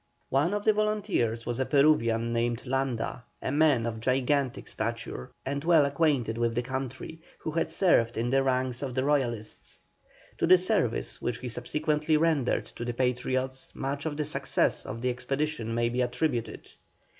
One of the volunteers was a Peruvian named Landa, a man of gigantic stature, and well acquainted with the country, who had served in the ranks of the Royalists. To the service which he subsequently rendered to the Patriots much of the success of the expedition may be attributed.